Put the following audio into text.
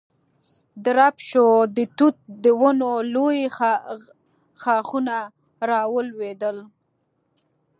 درب شو، د توت د ونو لوی ښاخونه را ولوېدل.